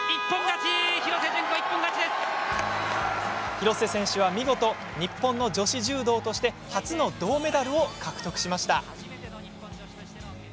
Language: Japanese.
廣瀬選手は見事日本の女子柔道として初の銅メダルを獲得しました。